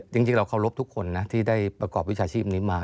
จริงเราเคารพทุกคนนะที่ได้ประกอบวิชาชีพนี้มา